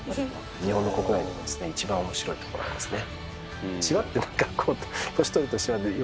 日本の国内の一番面白いところですね。